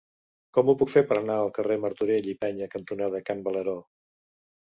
Com ho puc fer per anar al carrer Martorell i Peña cantonada Can Valero?